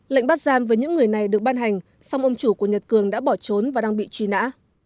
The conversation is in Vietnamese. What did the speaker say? lệnh bắt giam với những người này được ban hành song ông chủ của nhật cường đã bỏ trốn và đang bị truy nã